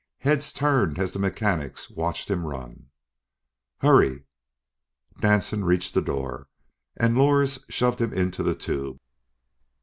Heads turned as the mechanics watched him run. "Hurry!" Danson reached the door and Lors shoved him into the tube.